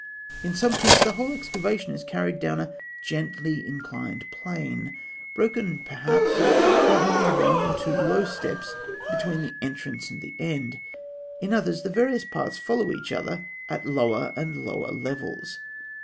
In some tombs, the whole excavation is carried down a gently inclined plane, broken perhaps by only one or two low steps between the entrance and the end. In others, the various parts follow each other at lower and lower levels.